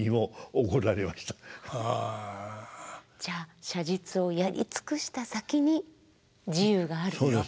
じゃあ写実をやり尽くした先に自由があると。